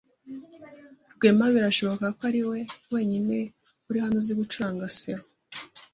Rwema birashoboka ko ariwe wenyine uri hano uzi gucuranga selo.